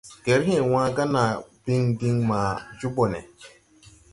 Gerhee wãã gà naa biŋ diŋ maa jo ɓone.